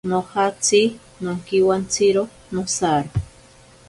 Nojatsi nonkiwantsiro nosaro.